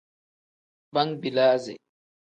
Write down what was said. Bangbilasi.